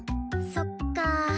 そっかー。